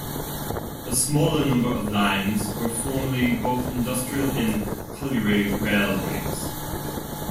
A smaller number of lines were formerly both industrial and colliery railways.